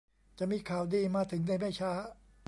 จะมีข่าวดีมาถึงในไม่ช้า